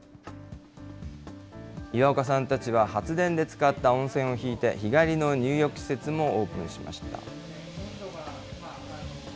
岩岡さんたちは、発電で使った温泉を引いて、日帰りの入浴施設もオープンしました。